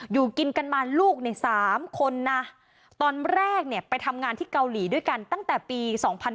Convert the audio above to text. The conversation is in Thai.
อยู่กินกันมาลูกใน๓คนนะตอนแรกเนี่ยไปทำงานที่เกาหลีด้วยกันตั้งแต่ปี๒๕๕๙